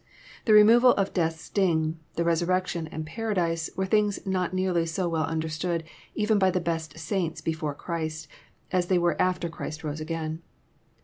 The removal of death's sting, the resurrection and paradise, were things not nearly so well understood even by the best saints before Qhrist, as they were after Christ rose again.